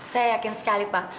saya yakin sekali pak